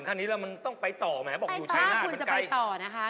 ถ้าคุณจะไปต่อนะคะ